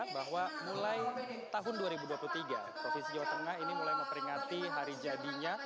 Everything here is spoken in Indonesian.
bahwa mulai tahun dua ribu dua puluh tiga provinsi jawa tengah ini mulai memperingati hari jadinya